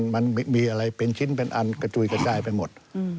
มันมีอะไรเป็นชิ้นเป็นอันกระจุยกระจายไปหมด